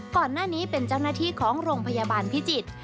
ก่อนหน้านี้เป็นเจ้าหน้าที่ของโรงพยาบาลพิจิตร